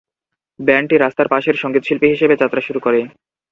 ব্যান্ডটি রাস্তার পাশের সঙ্গীতশিল্পী হিসেবে যাত্রা শুরু করে।